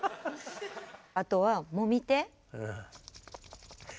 あとはもみ手。